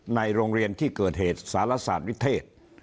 ในโรงเรียนที่เกิดเหตุสารศาสตร์วิเทศ